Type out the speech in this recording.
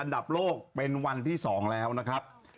อันดับโลกเป็นวันที่๒แล้วนะครับ